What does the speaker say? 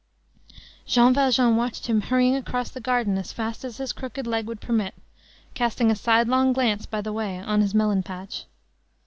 Jean Valjean watched him hurrying across the garden as fast as his crooked leg would permit, casting a sidelong glance by the way on his melon patch.